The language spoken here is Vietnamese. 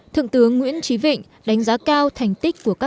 thượng tướng nguyễn trí vịnh đánh giá cao thành tích của công tác